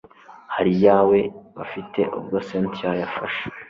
hari iyawe bafite ubwo cyntia yafash